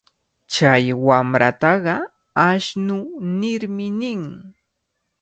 Chay wamrataqa ashnu nirmi nin.